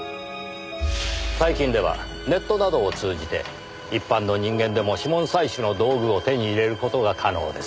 最近ではネットなどを通じて一般の人間でも指紋採取の道具を手に入れる事が可能です。